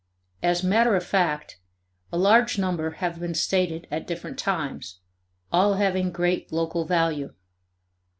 As matter of fact, a large number have been stated at different times, all having great local value.